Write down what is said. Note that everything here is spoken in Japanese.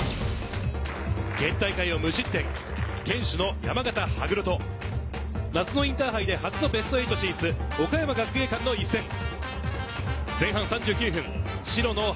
県大会を無失点、堅守の山形・羽黒と夏のインターハイで初のベスト８進出、岡山学芸館の一戦。